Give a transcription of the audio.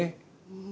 うん。